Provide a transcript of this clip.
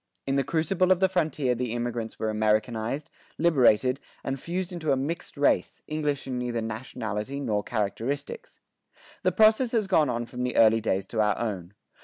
In the crucible of the frontier the immigrants were Americanized, liberated, and fused into a mixed race, English in neither nationality nor characteristics. The process has gone on from the early days to our own.